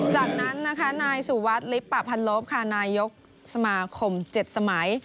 จากนั้นนายสุวรรษลิปปะพันลบนายกสมาคม๗สมัย